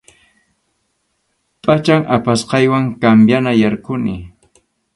Pʼachan apasqaywan cambianayarquni.